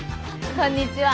こんにちは。